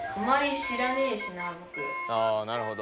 あなるほど。